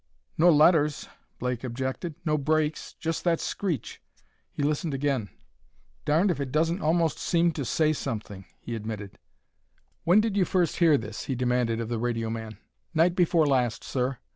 "No letters," Blake objected; "no breaks; just that screech." He listened again. "Darned if it doesn't almost seem to say something," he admitted. "When did you first hear this?" he demanded of the radio man. "Night before last, sir.